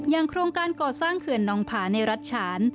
โครงการก่อสร้างเขื่อนน้องผาในรัฐฉาน